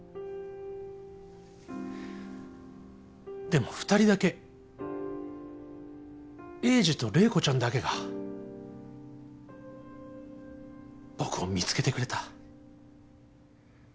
でも２人だけ栄治と麗子ちゃんだけが僕を見つけてくれた。